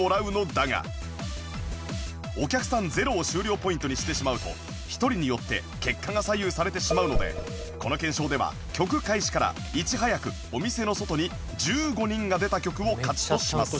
ゼロを終了ポイントにしてしまうと１人によって結果が左右されてしまうのでこの検証では曲開始からいち早くお店の外に１５人が出た曲を勝ちとします